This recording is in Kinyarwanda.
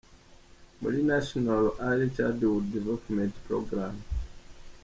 Muri National Early Childhood Development Program.